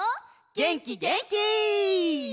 げんきげんき！